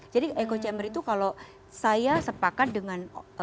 jadi echo chamber itu kalau saya sepakat dengan